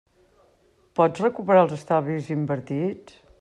Pots recuperar els estalvis invertits?